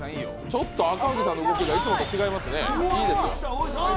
ちょっと赤荻さんの動きがいつもと違いますね。